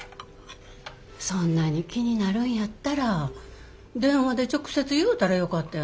そんなに気になるんやったら電話で直接言うたらよかったやないの。